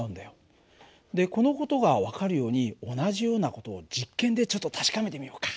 でこの事が分かるように同じような事を実験でちょっと確かめてみようか。